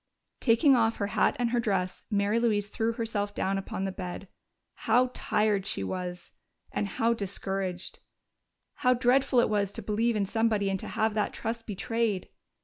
Taking off her hat and her dress, Mary Louise threw herself down upon the bed. How tired she was! And how discouraged! How dreadful it was to believe in somebody and to have that trust betrayed!